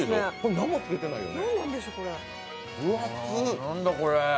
何もつけてないよね。